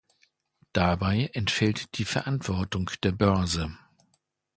Dabei entfällt die Verantwortung der Börse.